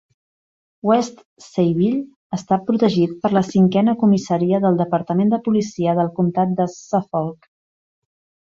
West Sayville està protegit per la cinquena comissaria del Departament de Policia del Comtat de Suffolk.